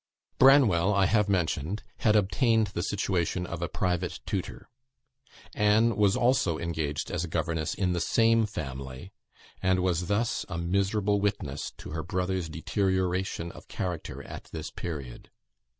Branwell, I have mentioned, had obtained the situation of a private tutor. Anne was also engaged as governess in the same family, and was thus a miserable witness to her brother's deterioration of character at this period.